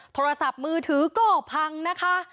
โทรศัพท์มือถือก็พังนะคะ